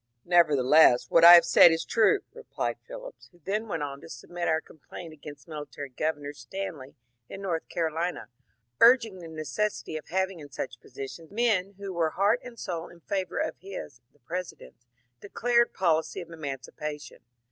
«« Nevertheless what I have said is true," replied Phillips, who dien went on to submit our complaint against Military Gov ernor Stanley in North Carolina, urging the necessity of hav ing in such positions men who were heart and soul in favour of his (the President's) declared policy of emancipation.